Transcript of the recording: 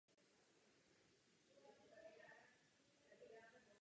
Jejich hlavní činností byla dělostřelecká podpora pozemních jednotek.